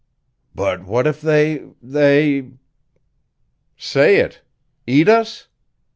"But what if they they " "Say it. Eat us?